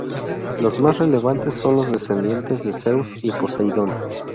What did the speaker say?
Los más relevantes son los descendientes de Zeus y Poseidon.